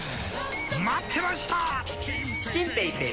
待ってました！